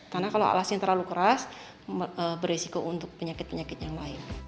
karena kalau alasnya terlalu keras beresiko untuk penyakit penyakit yang lain